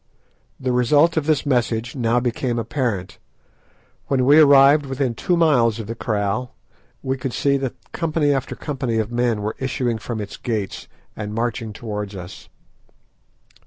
The result of this message now became apparent. When we arrived within two miles of the kraal we could see that company after company of men were issuing from its gates and marching towards us.